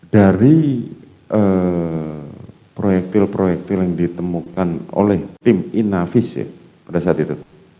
dari proyektil proyektil yang ditemukan oleh tim inavisi pada saat itu